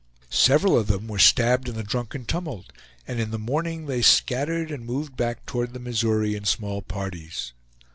Several of them were stabbed in the drunken tumult; and in the morning they scattered and moved back toward the Missouri in small parties.